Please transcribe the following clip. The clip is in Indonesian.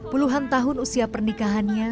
puluhan tahun usia pernikahan